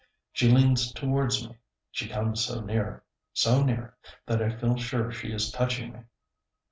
She leans towards me, she comes so near, so near, that I feel sure she is touching me.